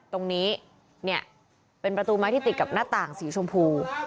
ตรงนี้เนี่ยเป็นประตูไม้ที่ติดกับหน้าต่างสีชมพู